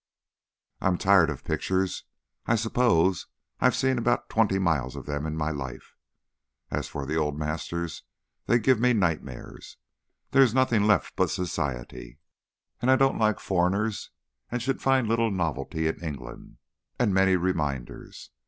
I'm tired of pictures. I suppose I've seen about twenty miles of them in my life. As for the old masters they give me nightmares. There is nothing left but society, and I don't like foreigners and should find little novelty in England and many reminders!